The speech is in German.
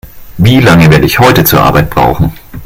Wie lange werde ich heute zur Arbeit brauchen?